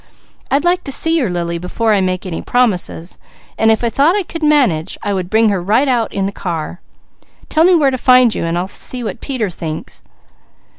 I'd like to see your Lily before I make any promises. If I thought I could manage, I could bring her right out in the car. Tell me where to find you, and I'll see what Peter thinks."